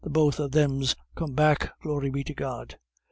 The both of them's come back, glory be to God!"